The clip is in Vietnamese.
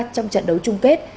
trong trận đấu trung kết